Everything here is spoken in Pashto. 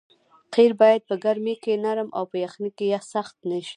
قیر باید په ګرمۍ کې نرم او په یخنۍ کې سخت نه شي